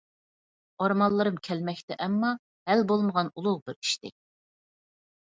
ئارمانلىرىم كەلمەكتە ئەمما، ھەل بولمىغان ئۇلۇغ بىر ئىشتەك.